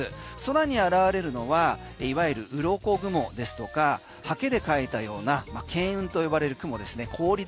空に現れるのはいわゆるうろこ雲ですとか刷毛ではいたような巻雲と呼ばれる雲ですね。